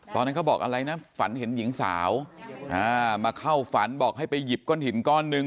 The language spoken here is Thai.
เขาบอกอะไรนะฝันเห็นหญิงสาวมาเข้าฝันบอกให้ไปหยิบก้อนหินก้อนหนึ่ง